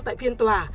tại phiên tòa